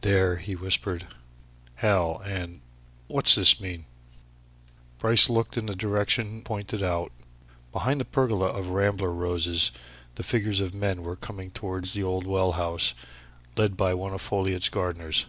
"There!" he whispered. "Hell and What's this mean?" Bryce looked in the direction pointed out. Behind the pergola of rambler roses the figures of men were coming towards the old well house led by one of Folliot's gardeners.